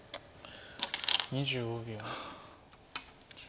２５秒。